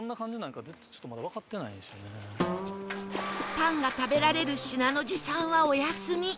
パンが食べられる信濃路さんはお休み